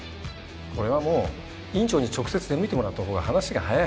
これはもう院長に直接出向いてもらったほうが話が早い。